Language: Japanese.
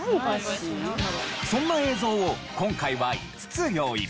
そんな映像を今回は５つ用意。